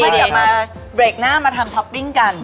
กลับมาเบรกหน้ามาทำท็อปปิ้งกัน